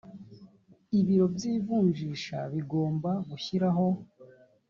ibiro by ivunjisha bigomba gushyiraho